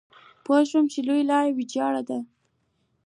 پوه شوم چې لویه لار ويجاړه ده.